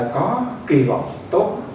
có kỳ vọng tốt